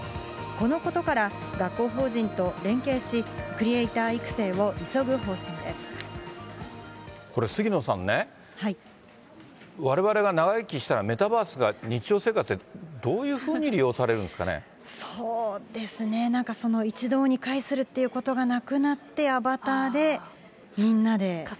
このことから、学校法人と連携し、これ、杉野さんね、われわれが長生きしたらメタバースが日常生活でどういうふうに利そうですね、なんか一堂に会するってことがなくなって、アバターでみんなで。